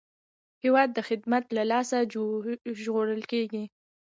هېواد د خدمت له لاسه ژغورل کېږي.